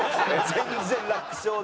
全然楽勝で。